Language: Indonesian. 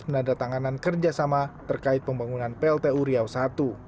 penandatanganan kerjasama terkait pembangunan plt uriau i